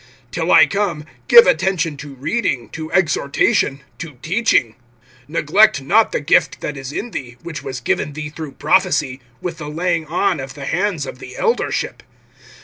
(13)Till I come, give attention to reading, to exhortation, to teaching. (14)Neglect not the gift that is in thee, which was given thee through prophecy, with the laying on of the hands of the eldership.